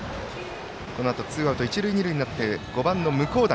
このあとツーアウト、一塁二塁で５番の向段。